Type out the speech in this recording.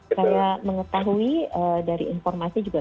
saya mengetahui dari informasi juga